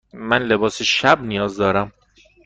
من لباس شب نیاز دارم.